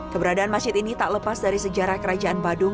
keberadaan masjid ini tak lepas dari sejarah kerajaan badung